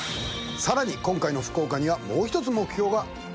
さらに今回の福岡にはもう一つ目標があるそうです。